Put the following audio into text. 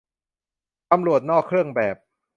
ตำรวจนอกเครื่องแบบ